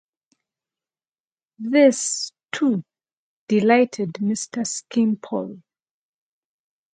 This, too, delighted Mr. Skimpole.